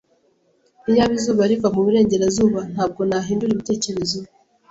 Iyaba izuba riva muburengerazuba, ntabwo nahindura ibitekerezo.